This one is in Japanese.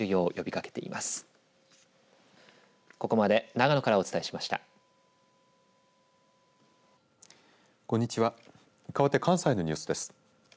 かわって関西のニュースです。